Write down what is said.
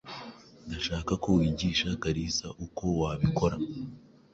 Ndashaka ko wigisha Kalisa uko wabikora.